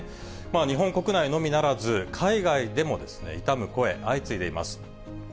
日本国内のみならず、海外でも悼む声、相次いでいます。